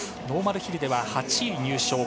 ノーマルヒルでは８位入賞。